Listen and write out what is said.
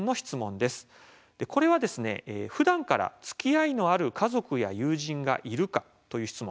これは「ふだんからつきあいのある家族や友人がいるか」という質問。